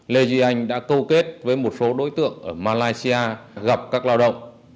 lê duy anh đã câu kết với một số đối tượng ở malaysia gặp các lao động